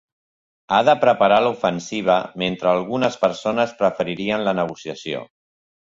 Ha de preparar l'ofensiva mentre algunes persones preferirien la negociació.